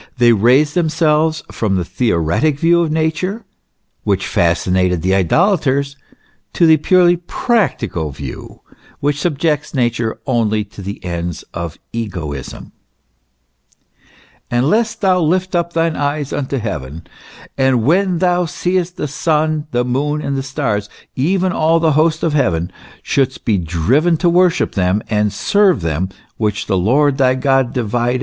they raised themselves from the theoretic view of Nature, which fascinated the idolaters, to the purely practical view which subjects Nature only to the ends of egoism. " And lest thou lift up thine eyes unto heaven, and when thou seest the sun, the moon, and the stars, even all the host of heaven, * It is well known, however, that their opinions on this point were various. (See e.